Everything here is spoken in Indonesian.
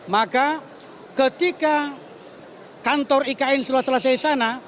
maka ketika kantor ikn sudah selesai di sana